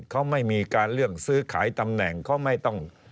เขาไม่มีการเรื่องซื้อขายตำแหน่งเขาไม่ต้อง